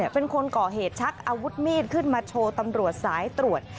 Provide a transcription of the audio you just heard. เป็นคนก่อเหตุชักอาวุธมีดขึ้นมาโชว์ตำรวจสายตรวจ